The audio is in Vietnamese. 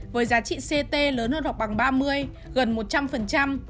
với giá trị ct lớn hơn học bằng ba mươi gần một trăm linh